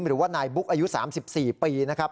หรือว่านายบุ๊กอายุ๓๔ปีนะครับ